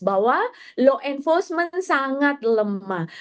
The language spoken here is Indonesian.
bahwa law enforcement sangat lemah